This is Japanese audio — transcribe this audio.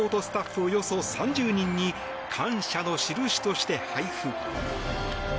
およそ３０人に感謝のしるしとして配布。